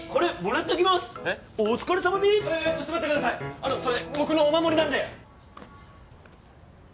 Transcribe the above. あのそれ僕のお守りなんで！